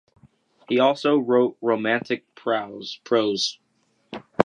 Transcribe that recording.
He also wrote romantic prose.